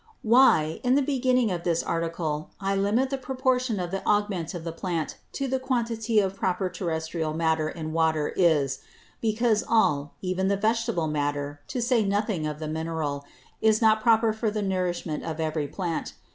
Why, in the beginning of this Article, I limit the Proportion of the Augment of the Plant to the Quantity of proper Terrestrial Matter in the Water, is, because all, even the Vegetable Matter, to say nothing of the Mineral, is not proper for the Nourishment of every Plant.